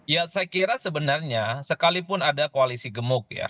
ya saya kira sebenarnya sekalipun ada koalisi gemuk ya